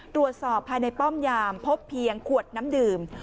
ตรวจสอบภายในป้อมยามพบเพียงขวดน้ำดื่ม